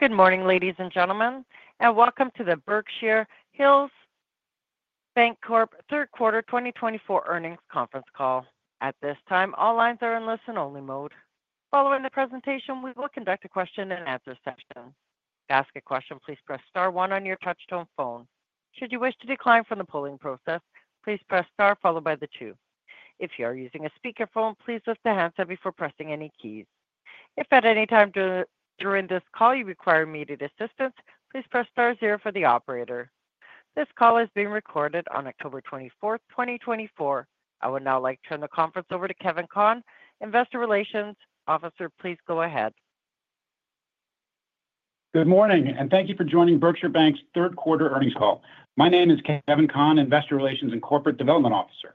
Good morning, ladies and gentlemen, and welcome to the Berkshire Hills Bancorp third quarter twenty twenty-four earnings conference call. At this time, all lines are in listen-only mode. Following the presentation, we will conduct a question-and-answer session. To ask a question, please press star one on your touchtone phone. Should you wish to decline from the polling process, please press star followed by the two. If you are using a speakerphone, please lift the handset before pressing any keys. If at any time during this call you require immediate assistance, please press star zero for the operator. This call is being recorded on October 24th, 2024. I would now like to turn the conference over to Kevin Conn. Investor Relations Officer, please go ahead. Good morning, and thank you for joining Berkshire Bank's third quarter earnings call. My name is Kevin Conn, Investor Relations and Corporate Development Officer.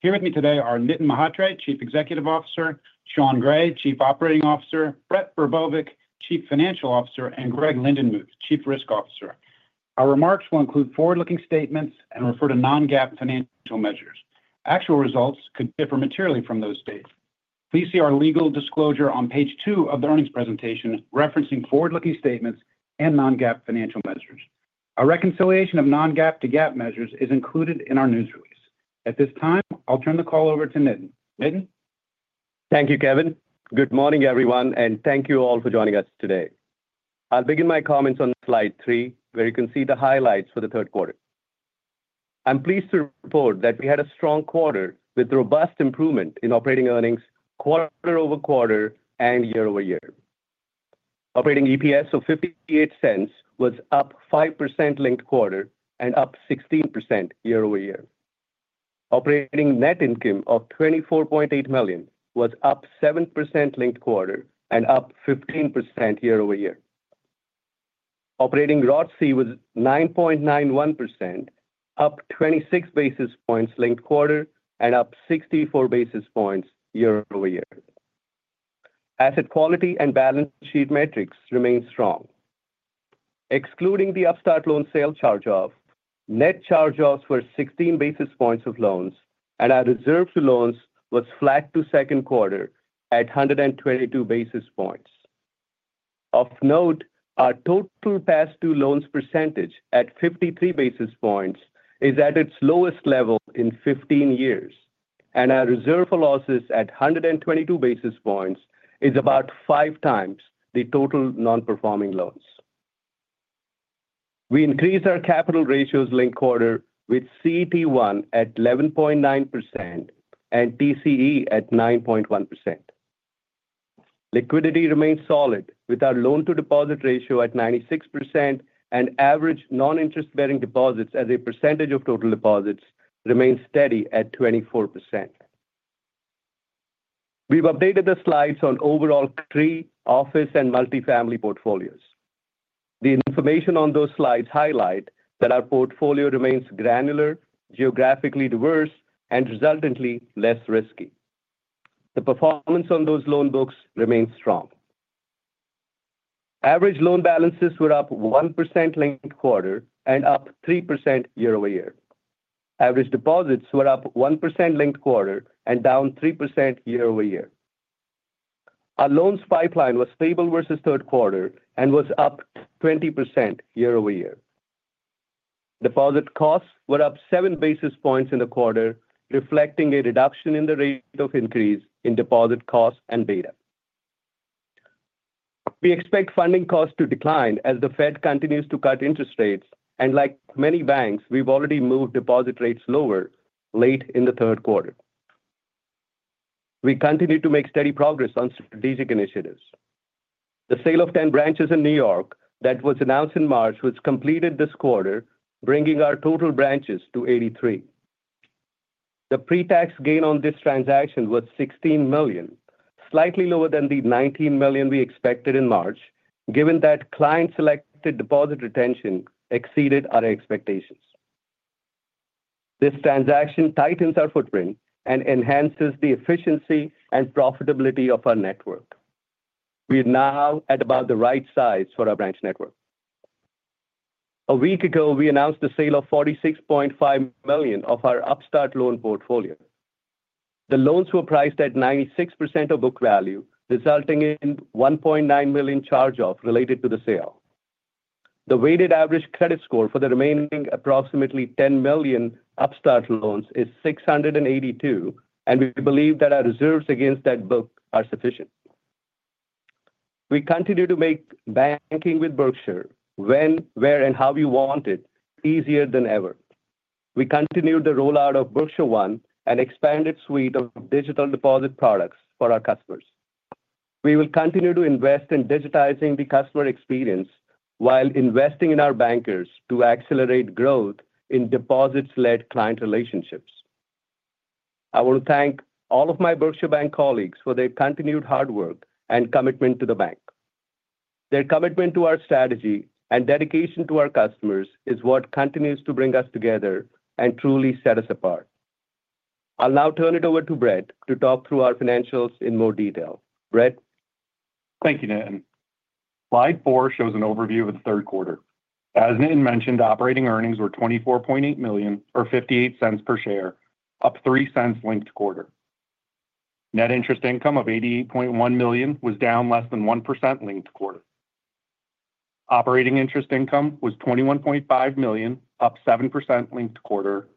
Here with me today are Nitin Mhatre, Chief Executive Officer; Sean Gray, Chief Operating Officer; Brett Verbovic, Chief Financial Officer; and Greg Lindenmuth, Chief Risk Officer. Our remarks will include forward-looking statements and refer to non-GAAP financial measures. Actual results could differ materially from those dates. Please see our legal disclosure on page two of the earnings presentation, referencing forward-looking statements and non-GAAP financial measures. A reconciliation of non-GAAP to GAAP measures is included in our news release. At this time, I'll turn the call over to Nitin. Nitin? Thank you, Kevin. Good morning, everyone, and thank you all for joining us today. I'll begin my comments on slide three, where you can see the highlights for the third quarter. I'm pleased to report that we had a strong quarter with robust improvement in operating earnings quarter-over-quarter and year-over-year. Operating EPS of $0.58 was up 5% linked quarter and up 16% year-over-year. Operating net income of $24.8 million was up 7% linked quarter and up 15% year-over-year. Operating ROTCE was 9.91%, up 26 basis points linked quarter and up 64 basis points year-over-year. Asset quality and balance sheet metrics remained strong. Excluding the Upstart loan sale charge-off, net charge-offs were 16 basis points of loans, and our reserve to loans was flat to second quarter at 122 basis points. Of note, our total past due loans percentage at 53 basis points is at its lowest level in 15 years, and our reserve for losses at 122 basis points is about 5x the total non-performing loans. We increased our capital ratios linked quarter with CET1 at 11.9% and TCE at 9.1%. Liquidity remains solid, with our loan to deposit ratio at 96% and average non-interest-bearing deposits as a percentage of total deposits remains steady at 24%. We've updated the slides on overall CRE office and multifamily portfolios. The information on those slides highlight that our portfolio remains granular, geographically diverse, and resultantly less risky. The performance on those loan books remains strong. Average loan balances were up 1% linked quarter and up 3% year-over-year. Average deposits were up 1% linked quarter and down 3% year-over-year. Our loans pipeline was stable versus third quarter and was up 20% year-over-year. Deposit costs were up seven basis points in the quarter, reflecting a reduction in the rate of increase in deposit costs and beta. We expect funding costs to decline as the Fed continues to cut interest rates, and like many banks, we've already moved deposit rates lower late in the third quarter. We continue to make steady progress on strategic initiatives. The sale of 10 branches in New York that was announced in March was completed this quarter, bringing our total branches to 83. The pre-tax gain on this transaction was $16 million, slightly lower than the $19 million we expected in March, given that client-selected deposit retention exceeded our expectations. This transaction tightens our footprint and enhances the efficiency and profitability of our network. We are now at about the right size for our branch network. A week ago, we announced the sale of $46.5 million of our Upstart loan portfolio. The loans were priced at 96% of book value, resulting in $1.9 million charge-off related to the sale. The weighted average credit score for the remaining approximately $10 million Upstart loans is 682, and we believe that our reserves against that book are sufficient. We continue to make banking with Berkshire when, where, and how you want it, easier than ever. We continued the rollout of Berkshire One, an expanded suite of digital deposit products for our customers. We will continue to invest in digitizing the customer experience while investing in our bankers to accelerate growth in deposits-led client relationships. I want to thank all of my Berkshire Bank colleagues for their continued hard work and commitment to the bank. Their commitment to our strategy and dedication to our customers is what continues to bring us together and truly set us apart. I'll now turn it over to Brett to talk through our financials in more detail. Brett? Thank you, Nitin. Slide four shows an overview of the third quarter. As Nitin mentioned, operating earnings were $24.8 million or 58 cents per share, up 3 cents linked quarter. Net interest income of $88.1 million was down less than 1% linked quarter. Operating interest income was $21.5 million, up 7% linked quarter.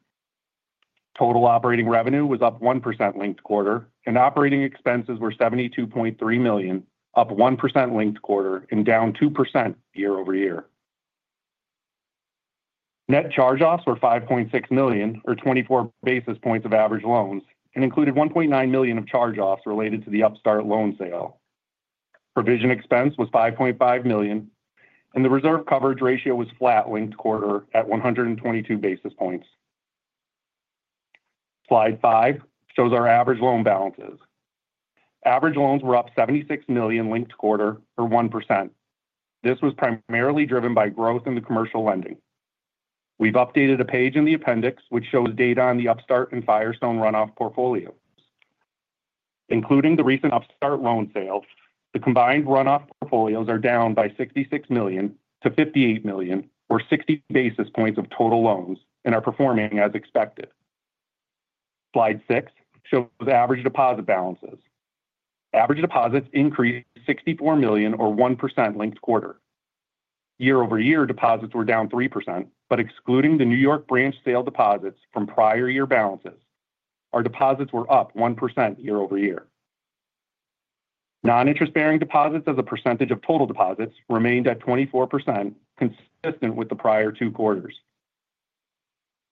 Total operating revenue was up 1% linked quarter, and operating expenses were $72.3 million, up 1% linked quarter and down 2% year-over-year. Net charge-offs were $5.6 million or 24 basis points of average loans and included $1.9 million of charge-offs related to the Upstart loan sale. Provision expense was $5.5 million, and the reserve coverage ratio was flat linked quarter at 122 basis points. Slide 5 shows our average loan balances. Average loans were up $76 million linked quarter or 1%. This was primarily driven by growth in the commercial lending. We've updated a page in the appendix, which shows data on the Upstart and Firestone runoff portfolios. Including the recent Upstart loan sale, the combined runoff portfolios are down by $66 million-$58 million, or 60 basis points of total loans and are performing as expected. Slide six shows average deposit balances. Average deposits increased to $64 million or 1% linked quarter. year-over-year, deposits were down 3%, but excluding the New York branch sale deposits from prior year balances, our deposits were up 1% year-over-year. Non-interest-bearing deposits as a percentage of total deposits remained at 24%, consistent with the prior two quarters.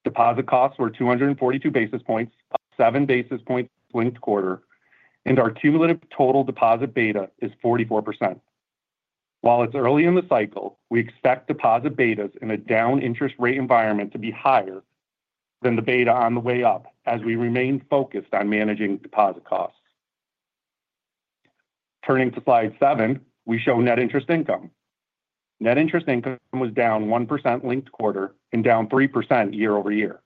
Deposit costs were 242 basis points, up 7 basis points linked quarter, and our cumulative total deposit beta is 44%. While it's early in the cycle, we expect deposit betas in a down interest rate environment to be higher than the beta on the way up as we remain focused on managing deposit costs. Turning to slide seven, we show net interest income. Net interest income was down 1% linked quarter and down 3% year-over-year.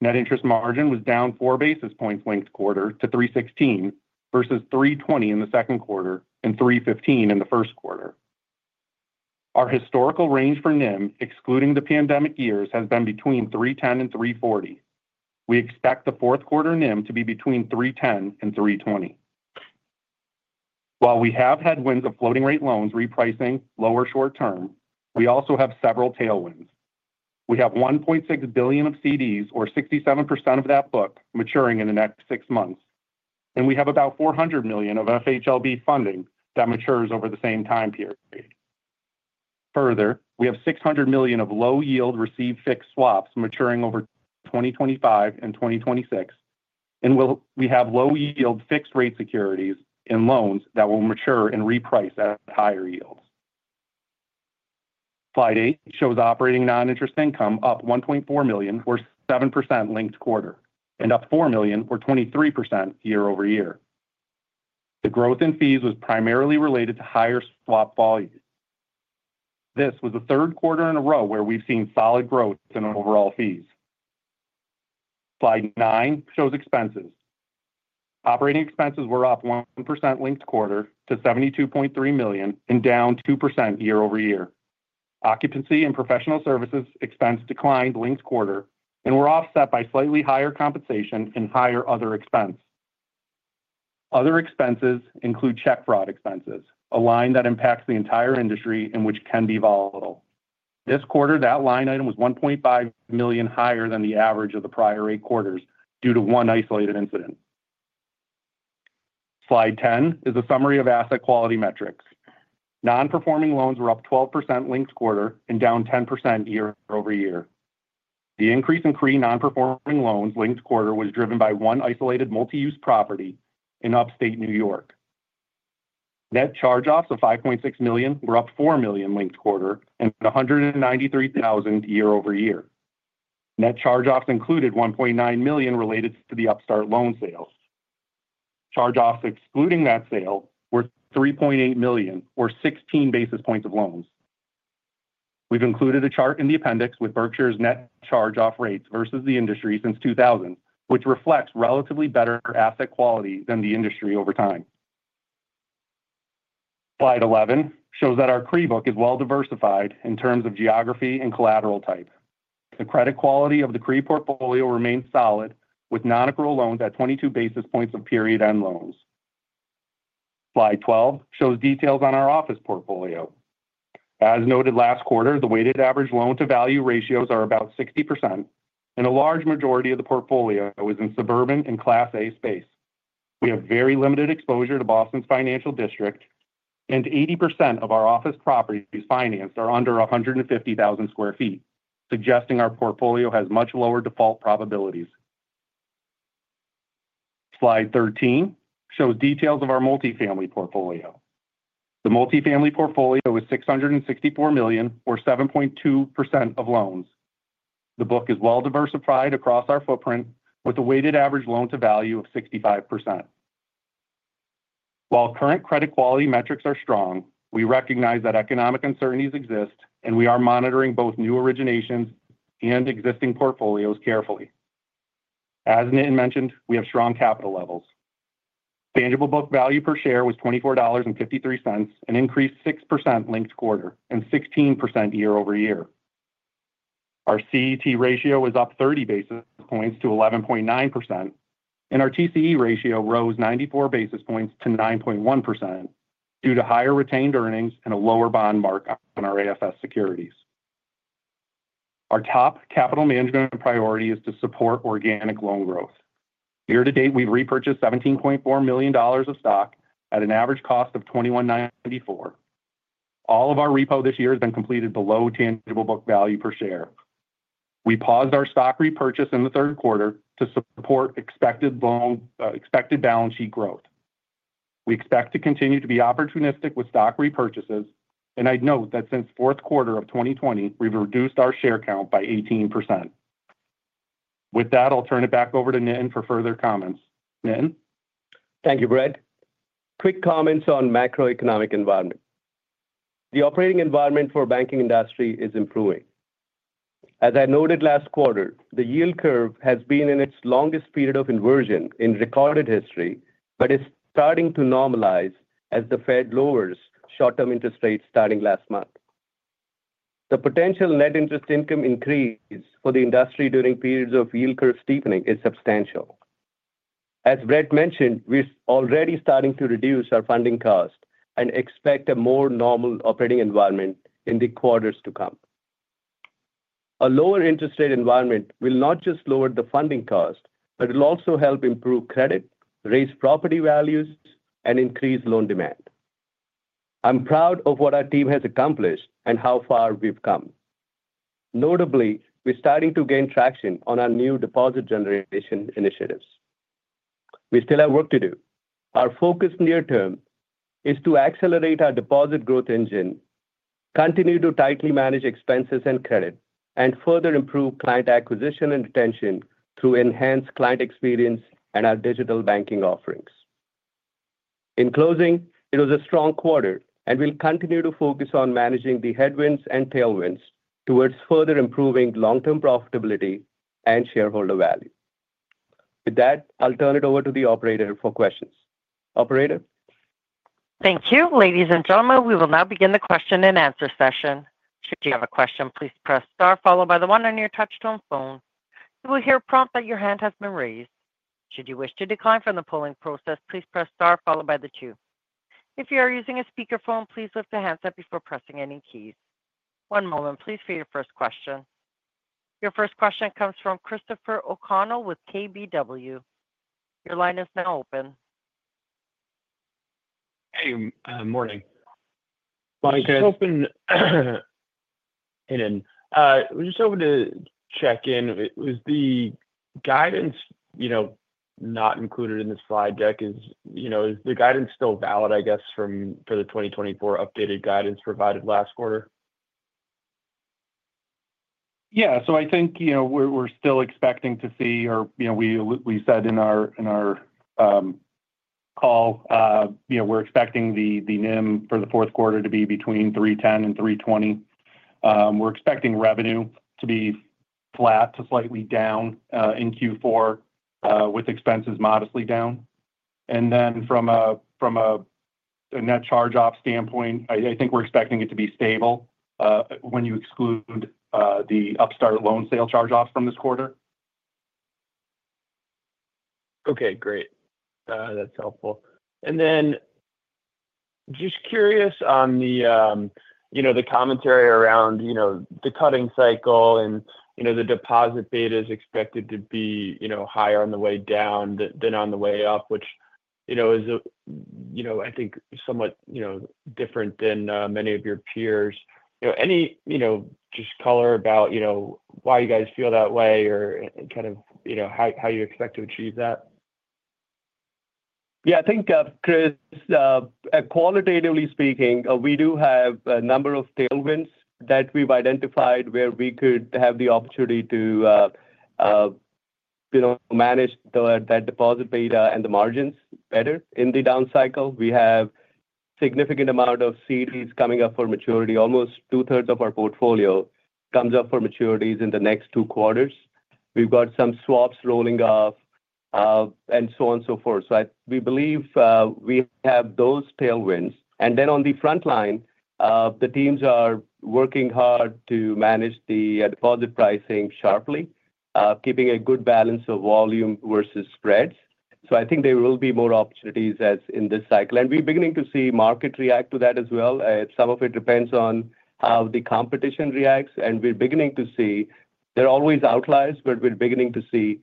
Net interest margin was down four basis points linked quarter to 3.16 versus 3.20 in the second quarter and 3.15 in the first quarter. Our historical range for NIM, excluding the pandemic years, has been between 3.10 and 3.40. We expect the fourth quarter NIM to be between 3.10 and 3.20. While we have had wins of floating-rate loans repricing lower short-term, we also have several tailwinds. We have $1.6 billion of CDs or 67% of that book maturing in the next six months, and we have about $400 million of FHLB funding that matures over the same time period. Further, we have $600 million of low-yield receive-fixed swaps maturing over 2025 and 2026, and we have low-yield fixed rate securities and loans that will mature and reprice at higher yields. Slide 8 shows operating non-interest income up $1.4 million or 7% linked quarter and up $4 million or 23% year-over-year. The growth in fees was primarily related to higher swap volumes. This was the third quarter in a row where we've seen solid growth in our overall fees. Slide 9 shows expenses. Operating expenses were up 1% linked quarter to $72.3 million and down 2% year-over-year. Occupancy and professional services expense declined linked quarter and were offset by slightly higher compensation and higher other expense. Other expenses include check fraud expenses, a line that impacts the entire industry and which can be volatile. This quarter, that line item was $1.5 million higher than the average of the prior eight quarters due to one isolated incident. Slide 10 is a summary of asset quality metrics. Non-performing loans were up 12% linked quarter and down 10% year-over-year. The increase in CRE non-performing loans linked quarter was driven by one isolated multi-use property in Upstate New York. Net charge-offs of $5.6 million were up $4 million linked quarter and $193,000 year-over-year. Net charge-offs included $1.9 million related to the Upstart loan sales. Charge-offs excluding that sale were $3.8 million or 16 basis points of loans. We've included a chart in the appendix with Berkshire's net charge-off rates versus the industry since 2000, which reflects relatively better asset quality than the industry over time. Slide 11 shows that our CRE book is well diversified in terms of geography and collateral type. The credit quality of the CRE portfolio remains solid, with non-accrual loans at 22 basis points of period-end loans. Slide 12 shows details on our office portfolio. As noted last quarter, the weighted average loan-to-value ratios are about 60%, and a large majority of the portfolio was in suburban and Class A space. We have very limited exposure to Boston's Financial District, and 80% of our office properties financed are under 150,000 sq ft, suggesting our portfolio has much lower default probabilities. Slide 13 shows details of our multifamily portfolio. The multifamily portfolio is $664 million or 7.2% of loans. The book is well diversified across our footprint with a weighted average loan-to-value of 65%. While current credit quality metrics are strong, we recognize that economic uncertainties exist, and we are monitoring both new originations and existing portfolios carefully. As Nitin mentioned, we have strong capital levels. Tangible book value per share was $24.53, an increase of 6% linked quarter and 16% year-over-year. Our CET ratio is up 30 basis points to 11.9%, and our TCE ratio rose 94 basis points to 9.1% due to higher retained earnings and a lower bond markup on our AFS securities. Our top capital management priority is to support organic loan growth. Year to date, we've repurchased $17.4 million of stock at an average cost of $21.94. All of our repo this year has been completed below tangible book value per share. We paused our stock repurchase in the third quarter to support expected loan, expected balance sheet growth. We expect to continue to be opportunistic with stock repurchases, and I'd note that since fourth quarter of 2020, we've reduced our share count by 18%. With that, I'll turn it back over to Nitin for further comments. Nitin? Thank you, Brett. Quick comments on macroeconomic environment. The operating environment for banking industry is improving. As I noted last quarter, the yield curve has been in its longest period of inversion in recorded history, but it's starting to normalize as the Fed lowers short-term interest rates starting last month. The potential net interest income increase for the industry during periods of yield curve steepening is substantial. As Brett mentioned, we're already starting to reduce our funding cost and expect a more normal operating environment in the quarters to come. A lower interest rate environment will not just lower the funding cost, but it'll also help improve credit, raise property values, and increase loan demand. I'm proud of what our team has accomplished and how far we've come. Notably, we're starting to gain traction on our new deposit generation initiatives. We still have work to do. Our focus near term is to accelerate our deposit growth engine, continue to tightly manage expenses and credit, and further improve client acquisition and retention through enhanced client experience and our digital banking offerings. In closing, it was a strong quarter, and we'll continue to focus on managing the headwinds and tailwinds towards further improving long-term profitability and shareholder value. With that, I'll turn it over to the operator for questions. Operator? Thank you. Ladies and gentlemen, we will now begin the question and answer session. Should you have a question, please press star followed by the one on your touchtone phone. You will hear a prompt that your hand has been raised. Should you wish to decline from the polling process, please press star followed by the two. If you are using a speakerphone, please lift the handset before pressing any keys. One moment, please, for your first question. Your first question comes from Christopher O'Connell with KBW. Your line is now open. Hey, morning. Morning, Chris. I was just hoping, Nitin, we're just hoping to check in. Was the guidance, you know, not included in the slide deck? Is, you know, the guidance still valid, I guess, for the twenty twenty-four updated guidance provided last quarter? Yeah. So I think, you know, we're still expecting to see or, you know, we said in our call, you know, we're expecting the NIM for the fourth quarter to be between 3.10%-3.20%. We're expecting revenue to be flat to slightly down in Q4 with expenses modestly down. And then from a net charge-off standpoint, I think we're expecting it to be stable when you exclude the Upstart loan sale charge-offs from this quarter. Okay, great. That's helpful. And then just curious on the, you know, the commentary around, you know, the cutting cycle and, you know, the deposit beta is expected to be, you know, higher on the way down than on the way up, which, you know, is a, you know, I think somewhat, you know, different than many of your peers. You know, any, you know, just color about, you know, why you guys feel that way or kind of, you know, how you expect to achieve that? Yeah, I think, Chris, qualitatively speaking, we do have a number of tailwinds that we've identified where we could have the opportunity to, you know, manage that deposit beta and the margins better in the down cycle. We have significant amount of CDs coming up for maturity. Almost two-thirds of our portfolio comes up for maturities in the next two quarters. We've got some swaps rolling off, and so on and so forth. So we believe we have those tailwinds. And then on the front line, the teams are working hard to manage the deposit pricing sharply, keeping a good balance of volume versus spreads. So I think there will be more opportunities as in this cycle. And we're beginning to see market react to that as well. Some of it depends on how the competition reacts, and we're beginning to see... There are always outliers, but we're beginning to see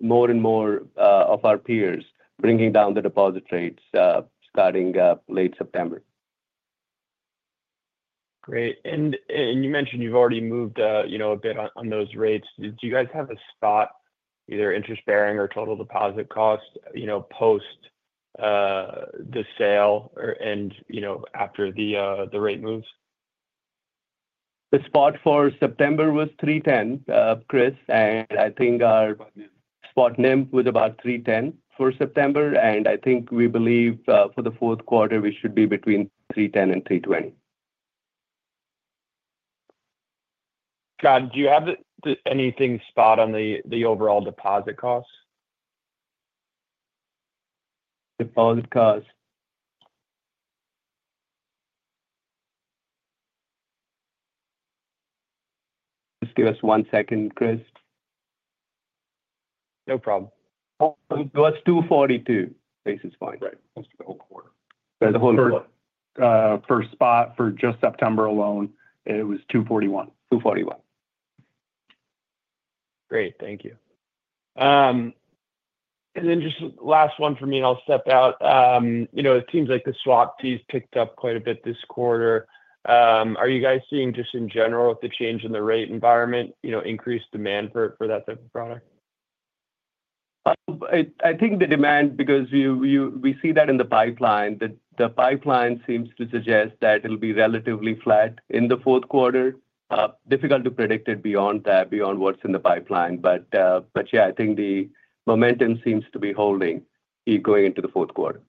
more and more of our peers bringing down the deposit rates, starting late September. Great. And you mentioned you've already moved, you know, a bit on those rates. Do you guys have a spot, either interest-bearing or total deposit cost, you know, post the sale or, and, you know, after the rate moves? The spot for September was 3.10, Chris, and I think our spot NIM was about 3.10% for September, and I think we believe, for the fourth quarter, we should be between 3.10% and 3.20%. Brett, do you have anything spot on the overall deposit costs?... deposit costs. Just give us one second, Chris. No problem. It was 242 basis points, right? Most of the whole quarter. The whole quarter. First spot for just September alone, it was 241 basis points. 241 basis points. Great. Thank you. And then just last one for me, and I'll step out. You know, it seems like the swap fees picked up quite a bit this quarter. Are you guys seeing, just in general, with the change in the rate environment, you know, increased demand for that type of product? I think the demand, because we see that in the pipeline. The pipeline seems to suggest that it'll be relatively flat in the fourth quarter. Difficult to predict it beyond that, beyond what's in the pipeline. But yeah, I think the momentum seems to be holding, going into the fourth quarter.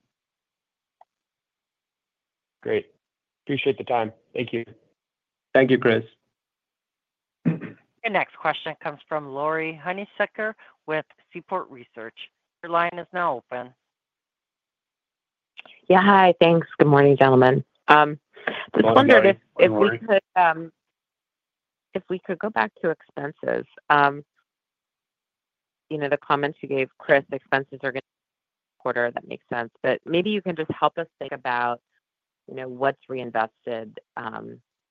Great. Appreciate the time. Thank you. Thank you, Chris. Your next question comes from Laurie Hunsicker with Seaport Research. Your line is now open. Yeah, hi. Thanks. Good morning, gentlemen. Good morning. I just wondered if we could go back to expenses. You know, the comments you gave Chris, expenses are going quarter, that makes sense. But maybe you can just help us think about, you know, what's reinvested,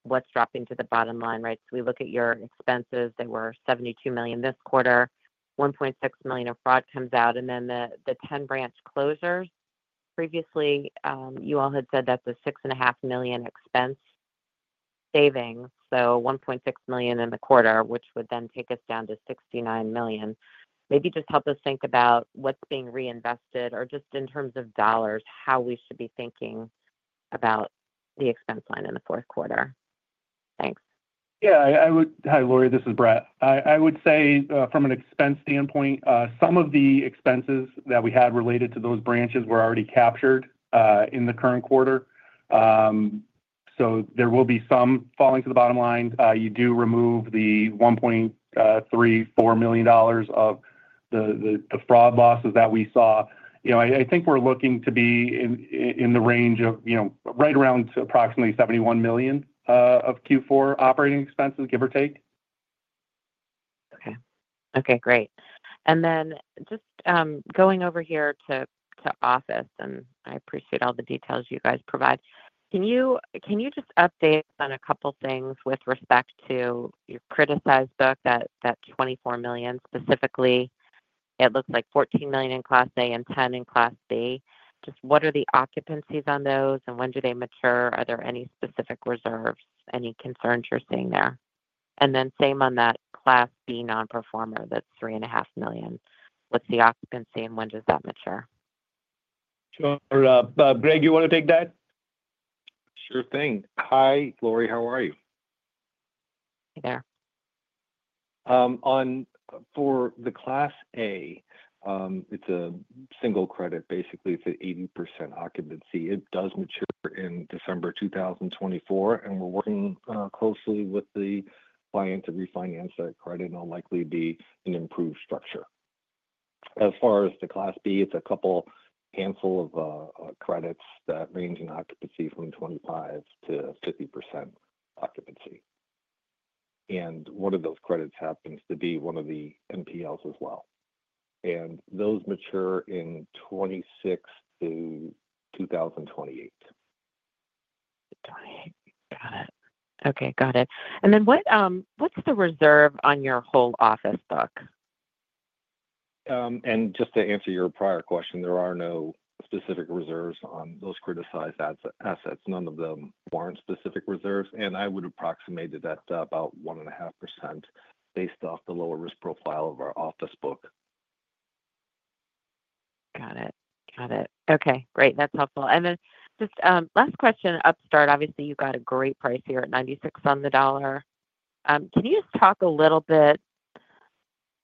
what's dropping to the bottom line, right? So we look at your expenses, they were $72 million this quarter, $1.6 million of fraud comes out, and then the ten branch closures. Previously, you all had said that's a $6.5 million expense saving, so $1.6 million in the quarter, which would then take us down to $69 million. Maybe just help us think about what's being reinvested, or just in terms of dollars, how we should be thinking about the expense line in the fourth quarter. Thanks. Yeah, I would. Hi, Laurie, this is Brett. I would say from an expense standpoint, some of the expenses that we had related to those branches were already captured in the current quarter, so there will be some falling to the bottom line. You do remove the $1.34 million of the fraud losses that we saw. You know, I think we're looking to be in the range of, you know, right around approximately $71 million of Q4 operating expenses, give or take. Okay. Okay, great. And then just going over here to office, and I appreciate all the details you guys provide. Can you just update us on a couple things with respect to your criticized book, that $24 million specifically? It looks like $14 million in Class A and $10 million in Class B. Just what are the occupancies on those, and when do they mature? Are there any specific reserves, any concerns you're seeing there? And then same on that Class B non-performer, that's $3.5 million. What's the occupancy, and when does that mature? Sure. Greg, you want to take that? Sure thing. Hi, Laurie, how are you? Hey there. For the Class A, it's a single credit. Basically, it's an 80% occupancy. It does mature in December 2024, and we're working closely with the client to refinance that credit, and it'll likely be an improved structure. As far as the Class B, it's a couple handful of credits that range in occupancy from 25%-50% occupancy. One of those credits happens to be one of the NPLs as well. Those mature in 2026-2028. Got it. Okay, got it. And then what, what's the reserve on your whole office book? And just to answer your prior question, there are no specific reserves on those criticized assets. None of them warrant specific reserves, and I would approximate it at about 1.5%, based off the lower risk profile of our office book. Got it. Got it. Okay, great. That's helpful. And then just, last question, Upstart, obviously, you got a great price here at 96 on the dollar. Can you just talk a little bit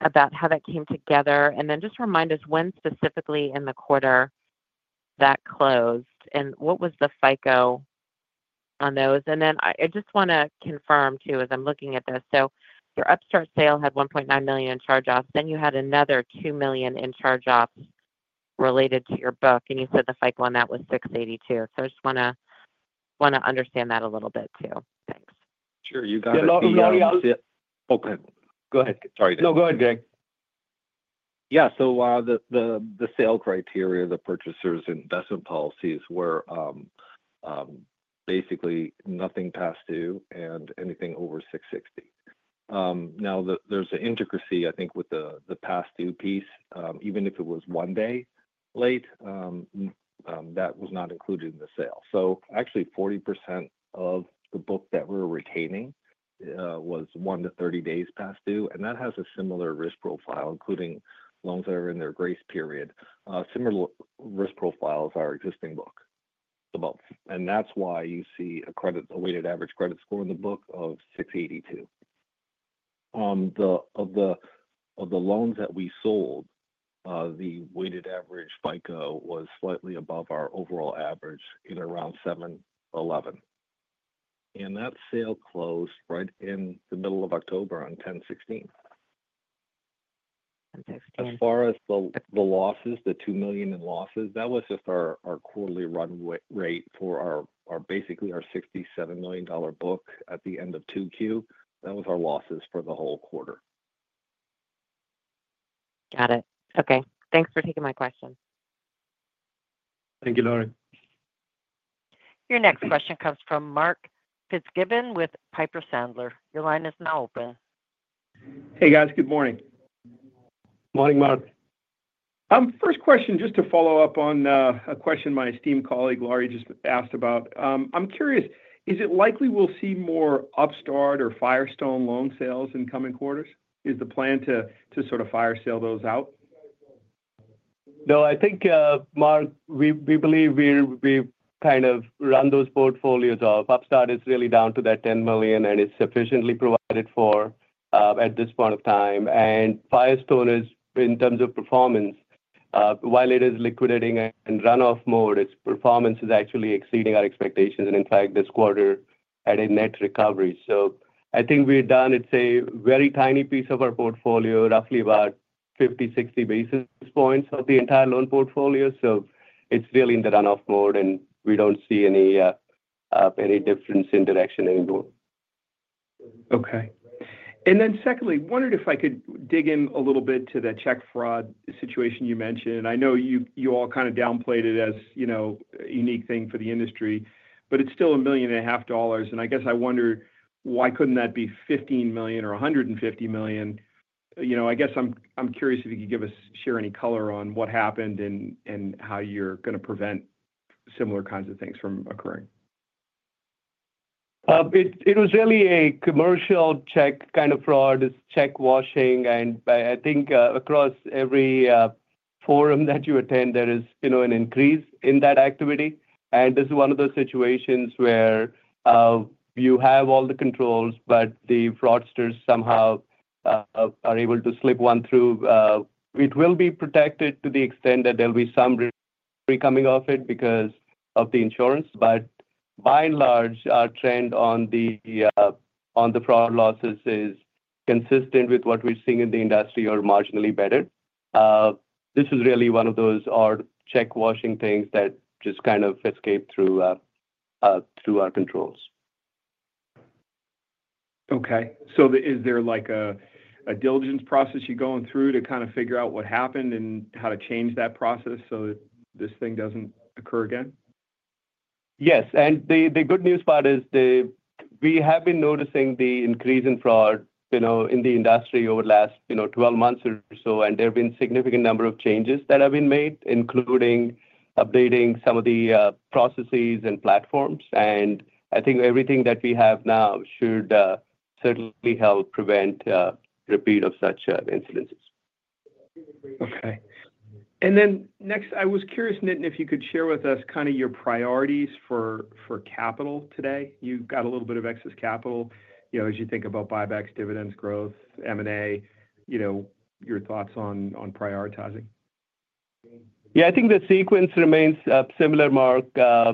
about how that came together? And then just remind us when specifically in the quarter that closed, and what was the FICO on those? And then I, I just want to confirm, too, as I'm looking at this: so your Upstart sale had $1.9 million in charge-offs, then you had another $2 million in charge-offs related to your book, and you said the FICO on that was 682. So I just wanna, wanna understand that a little bit, too. Thanks. Sure. You got it- Yeah, Laurie- Okay. Go ahead. Sorry. No, go ahead, Greg. Yeah. So, the sale criteria, the purchaser's investment policies were basically nothing past due and anything over 660. Now, there's an intricacy, I think, with the past due piece. Even if it was 1 day late, that was not included in the sale. So actually, 40% of the book that we're retaining was 1 day-30 days past due, and that has a similar risk profile, including loans that are in their grace period. Similar risk profile as our existing book. And that's why you see a weighted average credit score in the book of 682. Of the loans that we sold, the weighted average FICO was slightly above our overall average, in around 711. That sale closed right in the middle of October, on the 16th. As far as the losses, the $2 million in losses, that was just our quarterly run-rate for basically our $67 million dollar book at the end of 2Q. That was our losses for the whole quarter. Got it. Okay, thanks for taking my question. Thank you, Laurie. Your next question comes from Mark Fitzgibbon with Piper Sandler. Your line is now open. Hey, guys, good morning. Morning, Mark. First question, just to follow up on a question my esteemed colleague, Laurie, just asked about. I'm curious, is it likely we'll see more Upstart or Firestone loan sales in coming quarters? Is the plan to sort of fire sale those out? No, I think, Mark, we believe we've kind of run those portfolios off. Upstart is really down to that $10 million, and it's sufficiently provided for at this point of time. Firestone is, in terms of performance, while it is liquidating in runoff mode, its performance is actually exceeding our expectations and in fact, this quarter at a net recovery. I think we're done. It's a very tiny piece of our portfolio, roughly about 50 basis-60 basis points of the entire loan portfolio. It's really in the runoff mode, and we don't see any difference in direction anymore. Okay. And then secondly, I wondered if I could dig in a little bit to the check fraud situation you mentioned. I know you, you all kind of downplayed it as, you know, a unique thing for the industry, but it's still $1.5 million. And I guess I wonder why couldn't that be $15 million or $150 million? You know, I guess I'm curious if you could give us, share any color on what happened and how you're gonna prevent similar kinds of things from occurring. It was really a commercial check, kind of fraud. It's check washing. And I think across every forum that you attend, there is, you know, an increase in that activity. And this is one of those situations where you have all the controls, but the fraudsters somehow are able to slip one through. It will be protected to the extent that there will be some recovery coming off it because of the insurance. But by and large, our trend on the fraud losses is consistent with what we're seeing in the industry or marginally better. This is really one of those odd check washing things that just kind of escaped through our controls. Okay. So is there like a diligence process you're going through to kind of figure out what happened and how to change that process so that this thing doesn't occur again? Yes, and the good news part is that we have been noticing the increase in fraud, you know, in the industry over the last, you know, twelve months or so, and there have been significant number of changes that have been made, including updating some of the processes and platforms. And I think everything that we have now should certainly help prevent a repeat of such incidents. Okay. And then next, I was curious, Nitin, if you could share with us kind of your priorities for capital today. You've got a little bit of excess capital. You know, as you think about buybacks, dividends, growth, M&A, you know, your thoughts on prioritizing? Yeah, I think the sequence remains similar, Mark.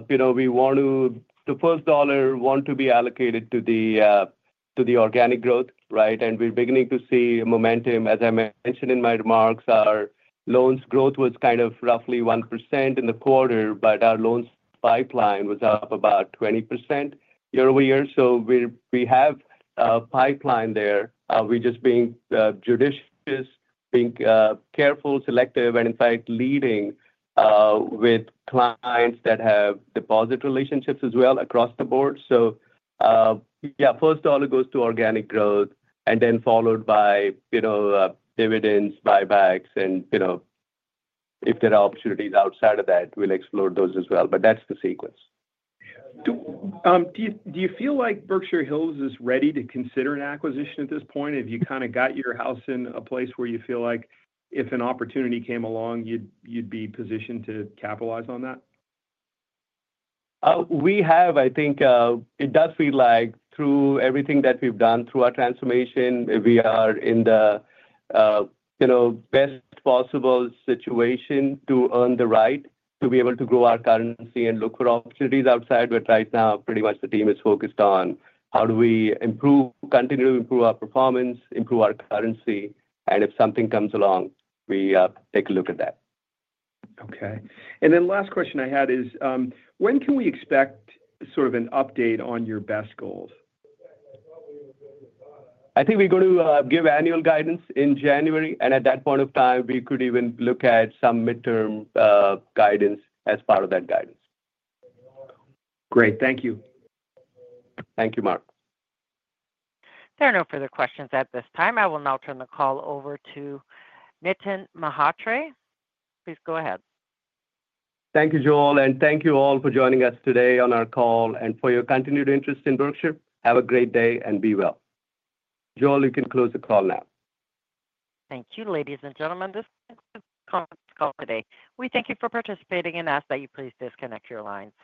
You know, we want to-- the first dollar want to be allocated to the, to the organic growth, right? And we're beginning to see momentum. As I mentioned in my remarks, our loans growth was kind of roughly 1% in the quarter, but our loans pipeline was up about 20% year-over-year. So we have a pipeline there. We're just being judicious, being careful, selective, and in fact, leading with clients that have deposit relationships as well across the board. So, yeah, first all it goes to organic growth and then followed by, you know, dividends, buybacks. And, you know, if there are opportunities outside of that, we'll explore those as well. But that's the sequence. Do you feel like Berkshire Hills is ready to consider an acquisition at this point? Have you kind of got your house in a place where you feel like if an opportunity came along, you'd be positioned to capitalize on that? I think, it does feel like through everything that we've done through our transformation, we are in the, you know, best possible situation to earn the right to be able to grow our currency and look for opportunities outside. But right now, pretty much the team is focused on how do we improve, continually improve our performance, improve our currency, and if something comes along, we take a look at that. Okay, and then last question I had is, when can we expect sort of an update on your BEST goals? I think we're going to give annual guidance in January, and at that point of time, we could even look at some midterm guidance as part of that guidance. Great. Thank you. Thank you, Mark. There are no further questions at this time. I will now turn the call over to Nitin Mhatre. Please go ahead. Thank you, Joel, and thank you all for joining us today on our call and for your continued interest in Berkshire. Have a great day and be well. Joel, you can close the call now. Thank you, ladies and gentlemen. This ends the conference call today. We thank you for participating and ask that you please disconnect your lines.